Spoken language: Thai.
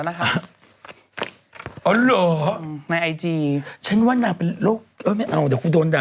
อ๋อเหรอในไอจีฉันไว้ดังผิดรสเอ่อไม่เอาเดี๋ยวกูโดนอ่ะ